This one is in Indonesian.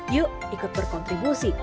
yuk ikut berkontribusi